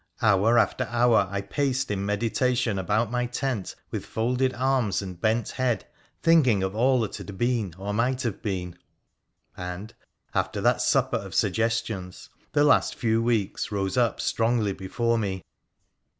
Hour after hour I paced in meditation about my tent with folded arms and bent head, thinking of all that had been or might have been, and, after that supper of suggestions, the last few weeks rose up strongly before me.